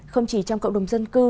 không chỉ trong cộng đồng dân cư